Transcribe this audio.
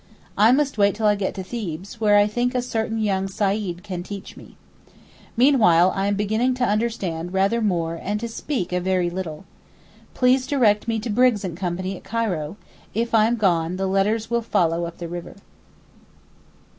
I must wait till I get to Thebes, where I think a certain young Said can teach me. Meanwhile I am beginning to understand rather more and to speak a very little. Please direct to me to Briggs and Co. at Cairo; if I am gone, the letters will follow up the river.